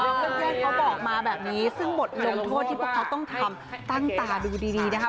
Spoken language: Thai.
เพื่อนเขาบอกมาแบบนี้ซึ่งบทลงโทษที่พวกเขาต้องทำตั้งตาดูดีนะครับ